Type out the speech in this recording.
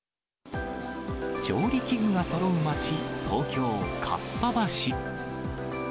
調理器具がそろう街、東京・かっぱ橋。